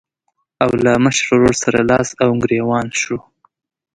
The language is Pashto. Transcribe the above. او له مشر ورور سره لاس او ګرېوان شو.